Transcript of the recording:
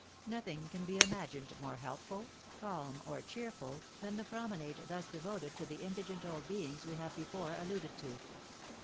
Nothing can be imagined more healthful, calm, or cheerful than the promenade thus devoted to the indigent old beings we have before alluded to.